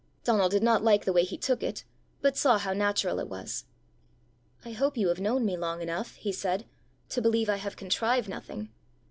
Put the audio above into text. Donal did not like the way he took it, but saw how natural it was. "I hope you have known me long enough," he said, "to believe I have contrived nothing?"